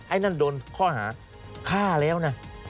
ไอ้นั่นโดนข้อหาฆ่าแล้วนะ